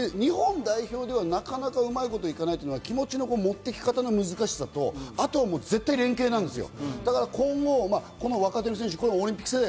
日本代表ではなかなかうまくいかないというのは、気持ちの持っていき方の難しさと、あと絶対に連係なんですよ。